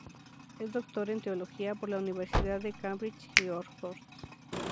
Es doctor en teología por la Universidad de Cambridge y Oxford.